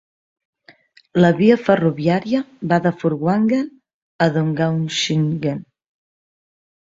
La via ferroviària va de Furtwangen a Donaueschingen.